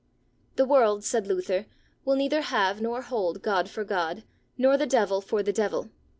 The world, said Luther, will neither have nor hold God for God, nor the devil for the devil.